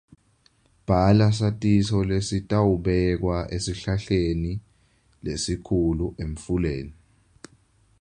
Bhala satiso lesitawubekwa esihlahleni lesikhulu emfuleni.